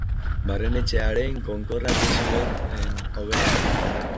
Barrenetxearen konkorrak ez zuen hobera egin.